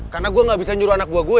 karena gue gak bisa nyuruh anak buah gue